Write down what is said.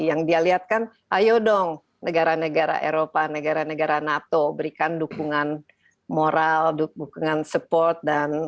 yang dia lihat kan ayo dong negara negara eropa negara negara nato berikan dukungan moral dukungan support dan